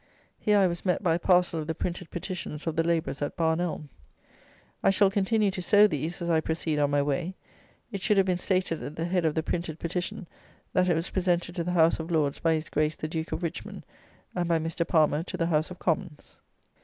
Here I was met by a parcel of the printed petitions of the labourers at Barn Elm. I shall continue to sow these, as I proceed on my way. It should have been stated at the head of the printed petition that it was presented to the House of Lords by his Grace the Duke of Richmond, and by Mr. Pallmer to the House of Commons.